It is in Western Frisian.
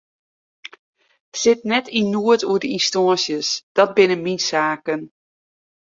Sit net yn noed oer de ynstânsjes, dat binne myn saken.